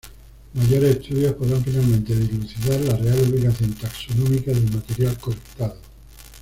Mayores estudios podrán finalmente dilucidar la real ubicación taxonómica del material colectado.